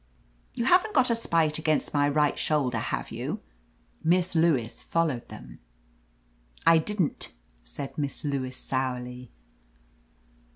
(You haven't got a spite against my right shoulder, have you?)^ Miss Lewis followed them." "I didn't," said Miss Lewis sourly.